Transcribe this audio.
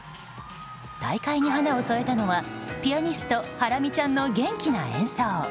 大会に華を添えたのはピアニスト、ハラミちゃんの元気な演奏。